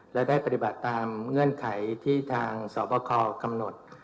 และได้ปฏิบัติตามเงื่อนไขที่ทางสอบคอกำหนด